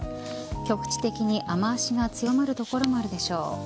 局地的に雨脚が強まる所もあるでしょう。